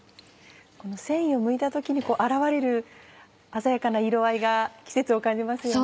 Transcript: この繊維をむいた時に現れる鮮やかな色合いが季節を感じますよね。